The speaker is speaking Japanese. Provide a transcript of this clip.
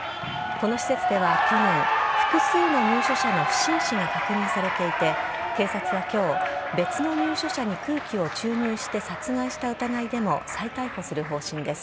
この施設では、去年、複数の入所者の不審死が確認されていて、警察はきょう、別の入所者に空気を注入して殺害した疑いでも再逮捕する方針です。